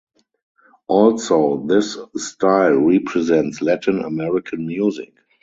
Also this style represents Latin American music.